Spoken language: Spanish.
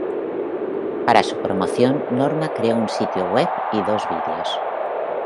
Para su promoción Norma creó un sitio web y dos videos.